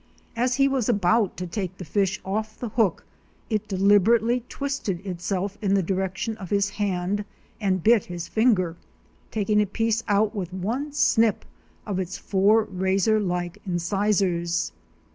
As he was about to take the fish off the hook it deliberately twisted itself in the direction of his hand and bit his finger, taking a piece out with one snip of its four razor like incisors.